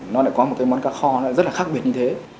nó lại có một món cá kho rất là khác biệt như thế